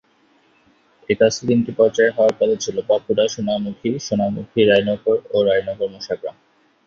এই কাজ তিনটি পর্যায়ে হওয়ার কথা ছিল: বাঁকুড়া-সোনামুখী, সোনামুখী-রায়নগর ও রায়নগর-মশাগ্রাম।